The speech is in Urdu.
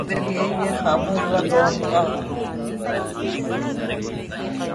میرے لیے یہ خوابوں کا دور تھا۔